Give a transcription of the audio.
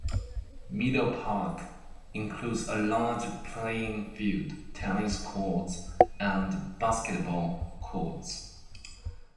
Meadow Park includes a large playing field, tennis courts and basketball courts.